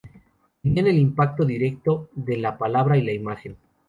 Tenían el impacto directo de la palabra y la imagen.